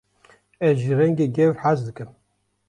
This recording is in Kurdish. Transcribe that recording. Ez ji rengê gewr hez dikim.